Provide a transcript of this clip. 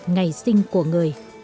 ngày sinh của người